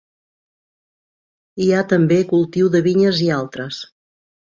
Hi ha també cultiu de vinyes i altres.